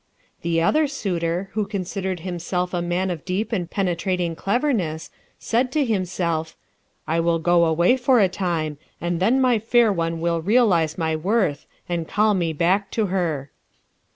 The Other Suitor, who considered himself a Man of Deep and Penetrating Cleverness, said to himself, "I will Go Away for a Time, and then my Fair One will Realize my Worth and Call Me Back to Her."